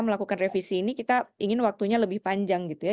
melakukan revisi ini kita ingin waktunya lebih panjang gitu ya